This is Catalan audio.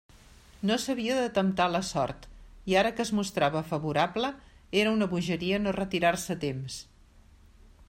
No s'havia de temptar la sort; i ara que es mostrava favorable, era una bogeria no retirar-se a temps.